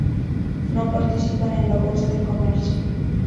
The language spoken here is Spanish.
No participan en la Bolsa de Comercio.